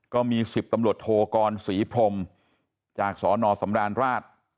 ก็มี๑๐ตำรวจโทกรศรีพรมจากสนสำราญราช